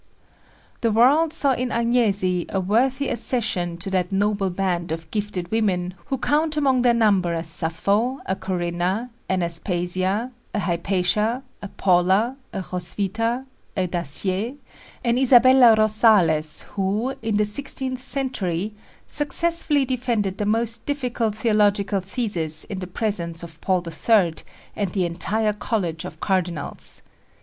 The world saw in Agnesi a worthy accession to that noble band of gifted women who count among their number a Sappho, a Corinna, an Aspasia, a Hypatia, a Paula, a Hroswitha, a Dacier, an Isabella Rosales who, in the sixteenth century, successfully defended the most difficult theological theses in the presence of Paul III and the entire college of cardinals.